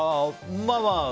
まあまあ。